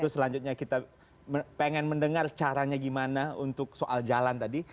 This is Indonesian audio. selanjutnya kita pengen mendengar caranya gimana untuk soal jalan tadi